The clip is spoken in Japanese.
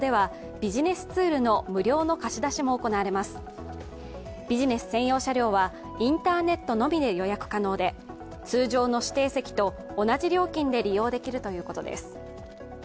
ビジネス専用車両はインターネットのみで予約可能で通常の指定席と同じ料金で利用できるということです。